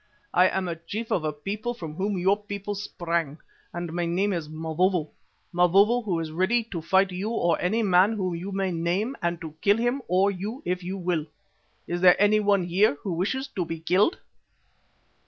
"I am a chief of a people from whom your people sprang and my name is Mavovo, Mavovo who is ready to fight you or any man whom you may name, and to kill him or you if you will. Is there one here who wishes to be killed?"